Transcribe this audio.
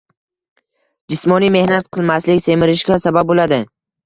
Jismoniy mehnat qilmaslik semirishga sabab bo‘ladi